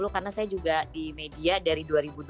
karena saya juga di media dari dua ribu dua puluh dua